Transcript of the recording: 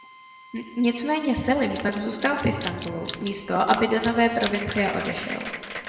Nicméně Selim pak zůstal v Istanbulu místo aby do nové provincie odešel.